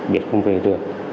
biết không về được